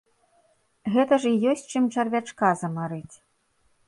Гэта ж і ёсць чым чарвячка замарыць!